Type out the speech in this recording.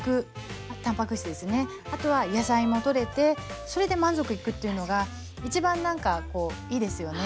あとは野菜もとれてそれで満足いくっていうのが一番何かこういいですよね。